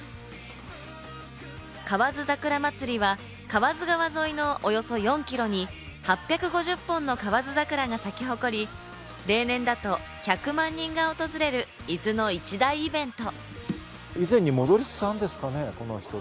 河津桜まつりは河津川沿いのおよそ４キロに８５０本の河津桜が咲きほこり、例年だと１００万人が訪れる伊豆の一大イベント。